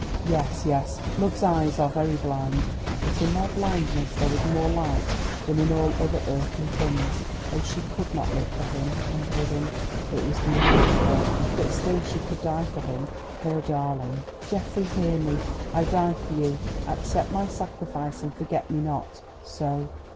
Yes, yes, Love's eyes are very blind, but in their blindness there was more light than in all other earthly things. Oh, she could not live for him, and with him—it was denied to her—but she still could die for him, her darling, her darling! "Geoffrey, hear me—I die for you; accept my sacrifice, and forget me not." So!